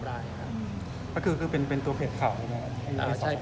แล้วก็เมื่อเข้าความผิดเราก็